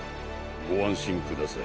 ご安心ください。